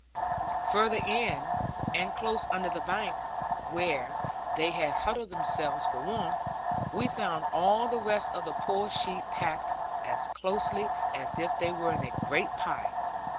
Further in, and close under the bank, where they had huddled themselves for warmth, we found all the rest of the poor sheep packed, as closely as if they were in a great pie.